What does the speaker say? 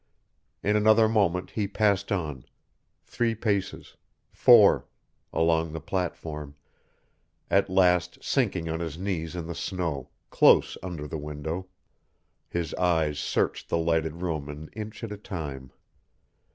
In another moment he passed on, three paces four along the platform, at last sinking on his knees in the snow, close under the window, his eyes searched the lighted room an inch at a time.